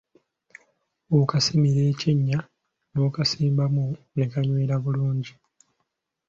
Okasimira ekinnya n’okasimbamu ne kanywera bulungi.